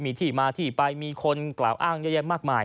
มีที่มาที่ไปมีคนกล่าวอ้างเยอะแยะมากมาย